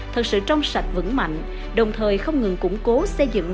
thật sự trong sạch vững mạnh đồng thời không ngừng củng cố xây dựng